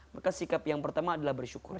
maka sikap yang pertama adalah bersyukur